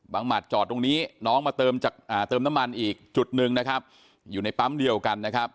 หมัดจอดตรงนี้น้องมาเติมน้ำมันอีกจุดหนึ่งนะครับอยู่ในปั๊มเดียวกันนะครับ